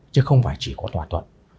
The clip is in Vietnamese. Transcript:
chứ không phải chỉ có thỏa thuận